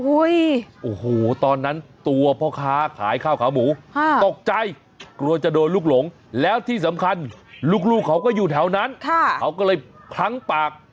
โอ้โหตอนนั้นตัวพ่อค้าขายข้าวขาหมูตกใจกลัวจะโดนลูกหลงแล้วที่สำคัญลูกเขาก็อยู่แถวนั้นเขาก็เลยพลั้งปาก